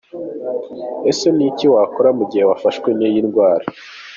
Ese ni iki wakora mu gihe wafashwe n’iyi ndwara?.